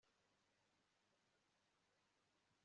umutekano we wagombaga kwizezwa